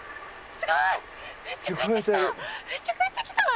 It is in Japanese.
すごい！